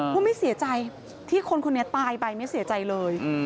ว่าไม่เสียใจที่คนคนนี้ตายไปไม่เสียใจเลย